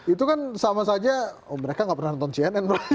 itu kan sama saja mereka nggak pernah nonton cnn